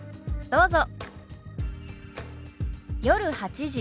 どうぞ。